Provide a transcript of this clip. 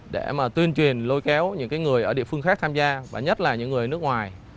để mà tuyên truyền lôi kéo những người ở địa phương khác tham gia và nhất là những người nước ngoài